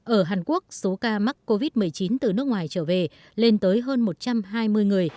ở hàn quốc số ca mắc covid một mươi chín từ nước ngoài trở về lên tới hơn một trăm hai mươi người